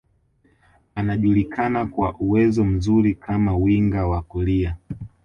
Anajulikana kwa uwezo mzuri kama winga wa kulia